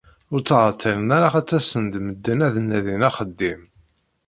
Ur ttεeṭṭilen ara ttasen-d medden ad nadin axeddim.